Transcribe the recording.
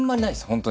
本当に。